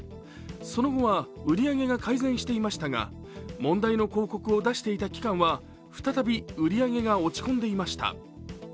その後は売り上げが改善していましたが、問題の広告を出していた期間は再び売り上げが落ち込んでいました。